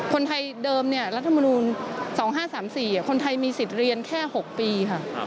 คนไทยเดิมรัฐมนูล๒๕๓๔คนไทยมีสิทธิ์เรียนแค่๖ปีค่ะ